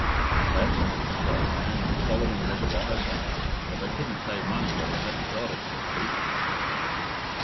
"Samson was a strong man, and Solomon was a wise one, but they couldn't pay money when they hadn't got it," said Pete.